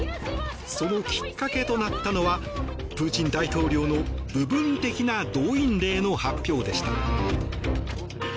そのきっかけとなったのはプーチン大統領の部分的な動員令の発表でした。